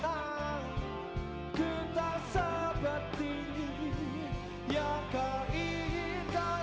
kusadari ku tak seperti yang kau inginkan